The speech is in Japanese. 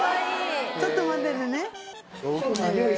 ちょっと待っててね。